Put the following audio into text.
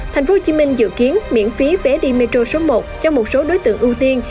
tp hcm dự kiến miễn phí vé đi metro số một cho một số đối tượng ưu tiên